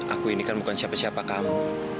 aku ini kan bukan siapa siapa kamu